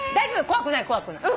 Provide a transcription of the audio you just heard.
怖くない怖くない。